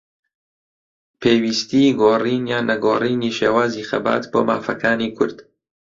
پێویستیی گۆڕین یان نەگۆڕینی شێوازی خەبات بۆ مافەکانی کورد